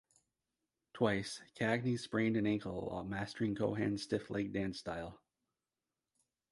Twice, Cagney sprained an ankle while mastering Cohan's stiff-legged dance style.